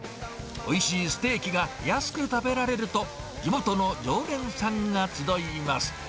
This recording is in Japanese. おいしいステーキが安く食べられると、地元の常連さんが集います。